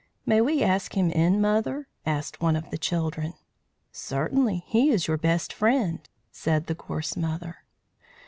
"May we ask him in, mother?" asked one of the children. "Certainly. He is your best friend," said the Gorse Mother.